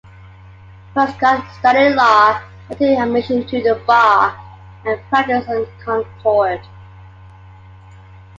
Prescott studied law, attained admission to the bar, and practiced in Concord.